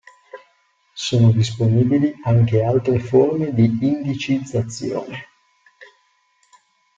Sono disponibili anche altre forme di indicizzazione.